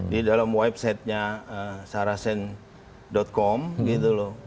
di dalam websitenya sarasen com gitu loh